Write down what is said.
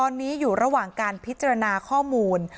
ตอนนี้อยู่ระหว่างการพิจารณาข้อมูล